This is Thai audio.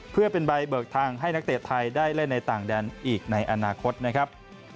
เพื่อเป็นใบเบิกทางให้นักเตะไทยได้เล่นในต่างแดนอีกในอนาคตนะครับ